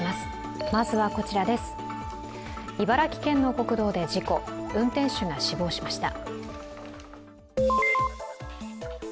茨城県の国道で事故、運転手が死亡しました。